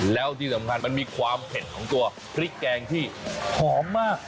แล้วที่สำคัญมันมีความเผ็ดของตัวพริกแกงที่หอมมาก